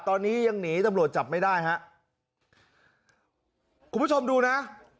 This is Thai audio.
ตอนนี้ยังหนีตำรวจจับไม่ได้ฮะคุณผู้ชมดูนะ